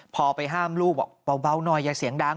พอไปห้ามลูกบอกเบาหน่อยอย่าเสียงดัง